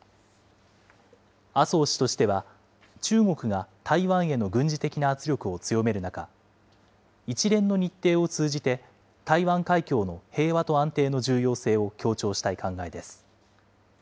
麻生氏としては、中国が台湾への軍事的な圧力を強める中、一連の日程を通じて、台湾海峡の平和と安定の重要性を強調したい考えです。